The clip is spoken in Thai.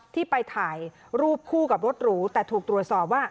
ที่ไปถ่ายรูปคู่กับรถหรูแต่ถูกตรวจสอบว่า